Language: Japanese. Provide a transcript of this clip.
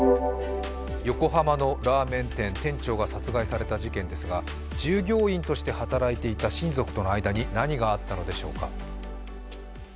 横浜のラーメン店店長が殺害された事件ですが従業員として働いていた親族との間に何があったのでしょうか。